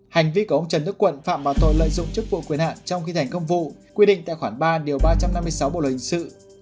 hành vi của ông trần đức quận phạm vào tội lợi dụng chức vụ quyền hạn trong khi thành công vụ quy định tại khoản ba điều ba trăm năm mươi sáu bộ luật hình sự